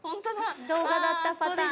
動画だったパターン。